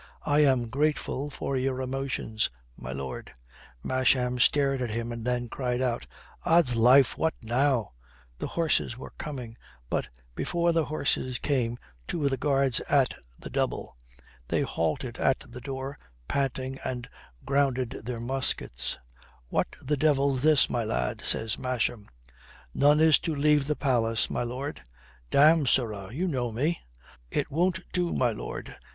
"I am grateful for your emotions, my lord." Masham stared at him and then cried out, "Ods life, what now?" The horses were coming, but before the horses came two of the Guards at the double. They halted at the door, panting, and grounded their muskets. "What the devil's this, my lad?" says Masham. "None is to leave the palace, my lord." "Damme, sirrah, you know me?" "It won't do, my lord.